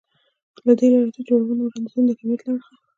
له دې لارې د جوړو وړاندیزونه د کمیت له اړخه